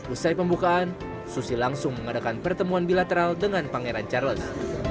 usai pembukaan susi langsung mengadakan pertemuan bilateral dengan pangeran charles